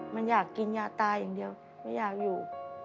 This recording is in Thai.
มันอยากกินยาตายอย่างเดียวไม่อยากอยู่